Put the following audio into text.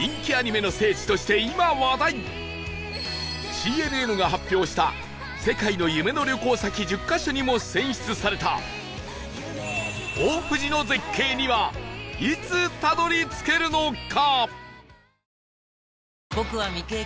ＣＮＮ が発表した世界の夢の旅行先１０カ所にも選出された大藤の絶景にはいつたどり着けるのか？